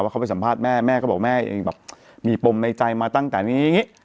ว่าเขาไปสัมภาษณ์แม่แม่ก็บอกแม่มีปมในใจมาตั้งแต่นี้